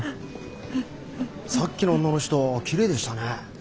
さっきの女の人きれいでしたね。